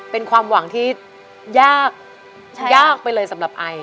เป็นความหวังที่ยากยากไปเลยสำหรับไอ